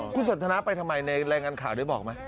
คุณสนทนาไปทำไมในรายงานข่าวได้บอกไหม